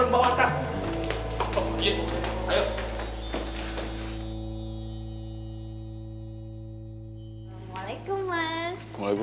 buruan bawah tangan